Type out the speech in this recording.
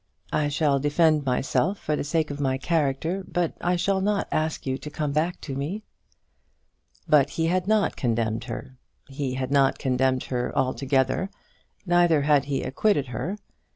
I shall defend myself for the sake of my character, but I shall not ask you to come back to me." But he had not condemned her. He had not condemned her altogether, neither had he acquitted her.